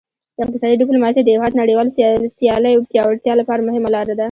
اقتصادي ډیپلوماسي د هیواد نړیوال سیالۍ پیاوړتیا لپاره مهمه لار ده